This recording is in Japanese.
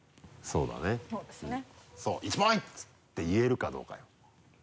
そう「１ポイント！」って言えるかどうかよ。